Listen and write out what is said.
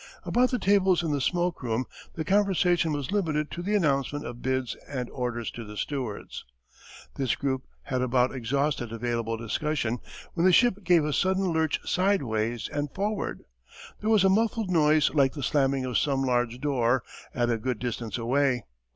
About the tables in the smoke room the conversation was limited to the announcement of bids and orders to the stewards. This group had about exhausted available discussion when the ship gave a sudden lurch sideways and forward. There was a muffled noise like the slamming of some large door at a good distance away.